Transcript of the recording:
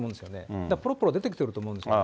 だからぽろぽろ出てきてると思うんですよ。